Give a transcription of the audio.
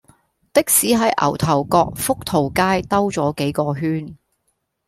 的士喺牛頭角福淘街兜左幾個圈